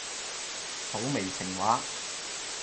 土味情話